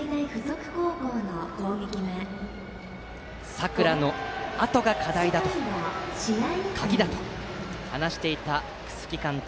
佐倉のあとが課題だと鍵だと話していた楠城監督。